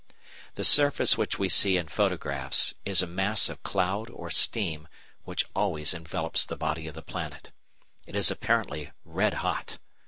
The surface which we see in photographs (Fig. 12) is a mass of cloud or steam which always envelops the body of the planet. It is apparently red hot.